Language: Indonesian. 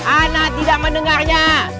ana tidak mendengarnya